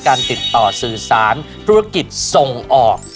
การติดต่อสื่อสารธุรกิจส่งออก